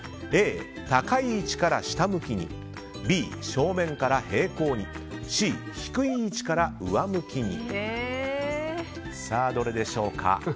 Ａ、高い位置から下向きにＢ、正面から平行にＣ、低い位置から上向きに。